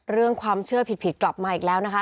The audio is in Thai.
เรื่องความเชื่อผิดกลับมาอีกแล้วนะคะ